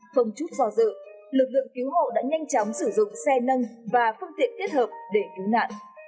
không chút do dự lực lượng cứu hộ đã nhanh chóng sử dụng xe nâng và phương tiện kết hợp để cứu nạn